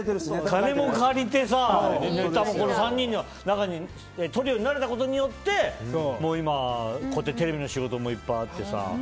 金も借りてさ、３人とトリオになれたことによって今、こうやってテレビの仕事もいっぱいあってさ。